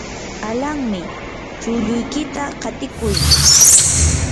alanmi, chulluykita qatiykuy.